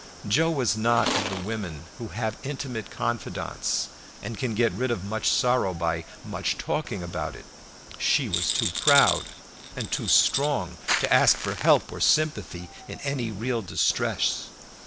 Joe was not of the women who have intimate confidants and can get rid of much sorrow by much talking about it. She was too proud and too strong to ask for help or sympathy in any real distress.